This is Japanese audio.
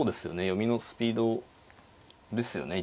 読みのスピードですよね。